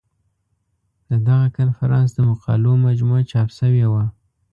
د دغه کنفرانس د مقالو مجموعه چاپ شوې وه.